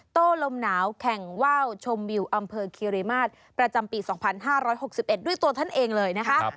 โต้ลมหนาวแข่งว่าวชมวิวอำเภอคิริมาตรประจำปี๒๕๖๑ด้วยตัวท่านเองเลยนะคะ